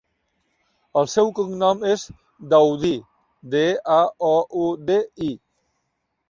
El seu cognom és Daoudi: de, a, o, u, de, i.